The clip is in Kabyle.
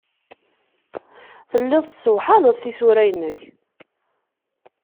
Telliḍ tessewḥaleḍ tisura-nnek.